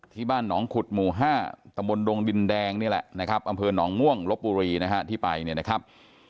ที่บ้านหนองขุดหมู่๕ตะบนดงดินแดงนี่แหละนะครับอำเภอหนองม่วงลบบุรีนะฮะที่ไปเนี่ยนะครับ